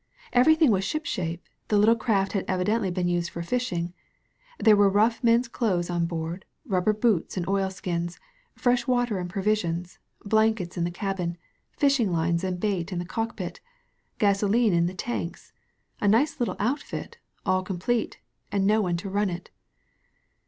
"Everything was shipshape. The little craft had evidently been used for fishing. There were rough men's clothes on board, rubber boots and oilskins, fresh water and provisions, blankets in the cabin, fishing lines and bait in the cockpit, gasolene in the tanks — a nice little outfit, all complete, and no one to run it.